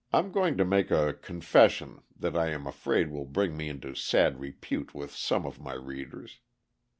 ] I'm going to make a confession that I am afraid will bring me into sad repute with some of my readers.